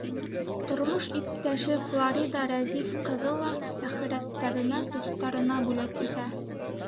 Тормош иптәше Флорида Рәзиф ҡыҙы ла әхирәттәренә, дуҫтарына бүләк итә.